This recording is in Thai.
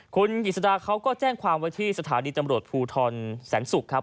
คุณกิจสดาเขาก็แจ้งความไว้ที่สถานีตำรวจภูทรแสนศุกร์ครับ